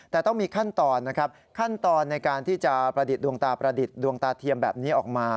แต่ต้องมีขั้นตอนนะครับขั้นตอนในการที่จะประดิษฐ์ดวงตาประดิษฐ์ดวงตาเทียมแบบนี้ออกมา